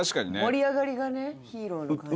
盛り上がりがねヒーローの感じ。